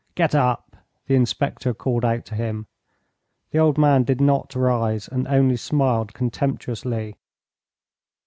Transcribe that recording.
"Get up," the inspector called out to him. The old man did not rise and only smiled contemptuously.